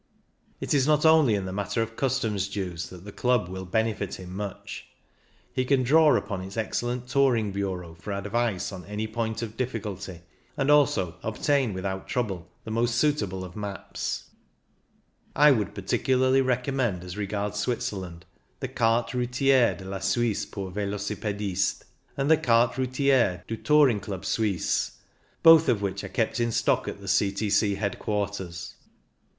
It is not only in the matter of customs dues that the Club will benefit him much ; he can draw upon its excellent Touring Bureau for advice on any point of difficulty, and also obtain with out trouble the most suitable of maps. I would particularly recommend, as re gards Switzerland; the "Carte Routiere de CONCLUSION 247 la Suisse pour VelocipMistes " and the " Carte Routiere du Touring Club Suisse/' both of which are kept in stock at the C.T.C. headquarters.